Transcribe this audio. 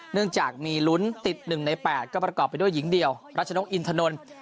เนื่องจากมีลุ้นติด๑ใน๘ก็ประกอบไปด้วยหญิงเดียวรัชนกอินทนนท์